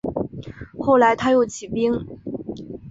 后来他又起兵。